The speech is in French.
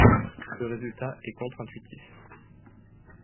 Ce résultat est contre intuitif.